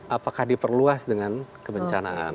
apakah diperluas dengan kebencanaan